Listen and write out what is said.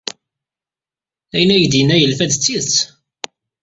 Ayen ay d-yenna yelfa-d d tidet.